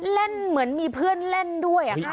เหมือนมีเพื่อนเล่นด้วย